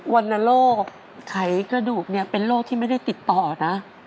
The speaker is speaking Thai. วรรณโรคไขกระดูกเนี่ยเป็นโรคที่ไม่ได้ติดต่อนะ